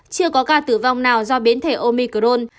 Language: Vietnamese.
chưa có ca tử vong nào do biến thể omicrone